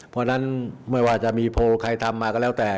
เพราะฉะนั้นไม่ว่าจะมีโพลใครทำมาก็แล้วแต่